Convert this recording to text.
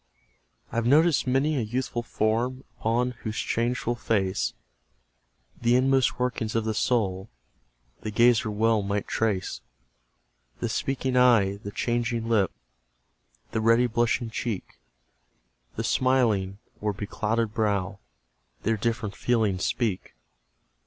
I've noticed many a youthful form, Upon whose changeful face The inmost workings of the soul The gazer well might trace; The speaking eye, the changing lip, The ready blushing cheek, The smiling, or beclouded brow, Their different feelings speak.